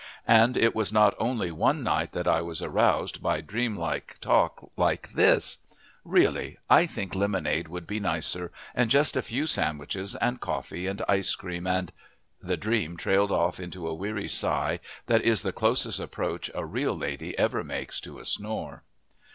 And it was not only one night that I was aroused by dream talk like this: "Really, I think lemonade would be nicer and just a few sandwiches and coffee and ice cream, and " The dream trailed off into a weary sigh that is the closest approach a real lady ever makes to a snore.